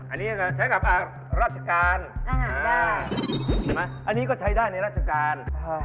อันนี้ใช้กับราชการอันนี้ก็ใช้ได้ในราชการ